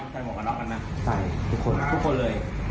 ใช่ทุกคนทุกคนเลย